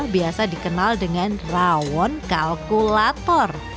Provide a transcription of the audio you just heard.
biasa dikenal dengan rawon kalkulator